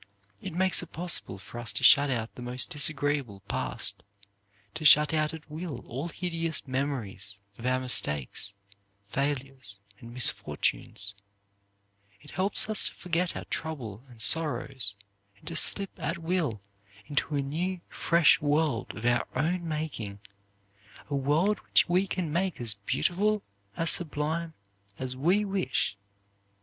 It makes it possible for us to shut out the most disagreeable past, to shut out at will all hideous memories of our mistakes, failures, and misfortunes; it helps us to forget our trouble and sorrows, and to slip at will into a new, fresh world of our own making, a world which we can make as beautiful, as sublime, as we wish.